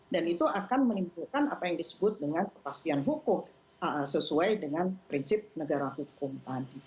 dan itu akan menimbulkan apa yang disebut dengan kepastian hukum sesuai dengan prinsip negara hukum tadi